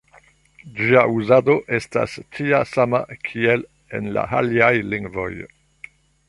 Ĝia uzado estas tia sama, kiel en la aliaj lingvoj.